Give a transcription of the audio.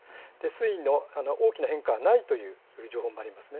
水位の大きな変化はないという情報もあります。